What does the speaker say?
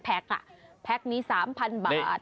แพ็คนี้๓๐๐๐บาท